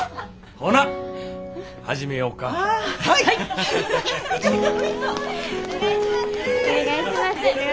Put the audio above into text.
お願いします。